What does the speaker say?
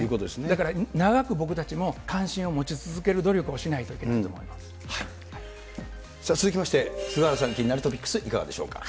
だから長く僕たちも、関心を持ち続ける努力をしないといけないと続きまして、菅原さん、気になるトピックス、いかがでしょうか。